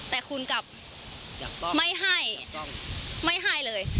แต่คุณกลับไม่ให้ไม่ให้เลย